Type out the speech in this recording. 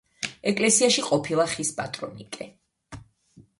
ეკელსიაში ყოფილა ხის პატრონიკე.